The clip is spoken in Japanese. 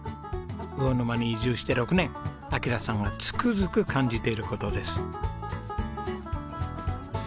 魚沼に移住して６年暁良さんがつくづく感じている事です。